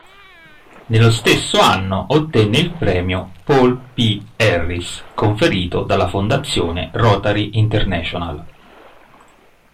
Nello stesso anno ottenne il premio "Paul P. Harris" conferito dalla fondazione Rotary International.